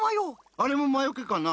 あれもまよけかな？